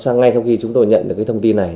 ngay trong khi chúng tôi nhận được thông tin này